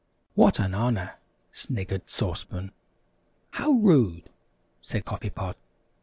"What an honor!" snickered Sauce Pan. "How rude!" said Coffee Pot.